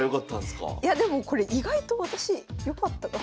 いやでもこれ意外と私よかったか。